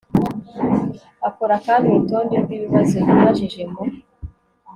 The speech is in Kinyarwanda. akora kandi urutonde rw ibibazo yibajije mu